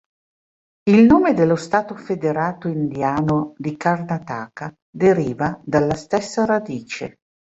Il nome dello stato federato indiano di Karnataka deriva dalla stessa radice.